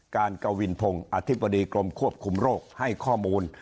กวินพงศ์อธิบดีกรมควบคุมโรคให้ข้อมูล